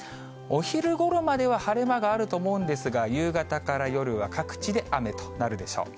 お昼ごろまでは晴れ間があると思うんですが、夕方から夜は各地で雨となるでしょう。